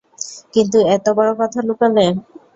কিন্তু এতো বড় কথা লুকালে!